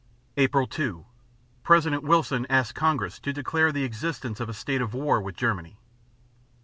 _ _Apr. 2 President Wilson asks Congress to declare the existence of a state of war with Germany.